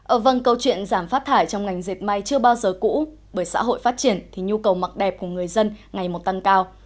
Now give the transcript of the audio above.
ở vâng câu chuyện giảm phát thải trong ngành dệt may chưa bao giờ cũ bởi xã hội phát triển thì nhu cầu mặc đẹp của người dân ngày một tăng cao